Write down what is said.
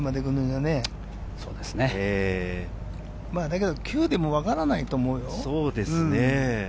でも９でもわからないと思うよ。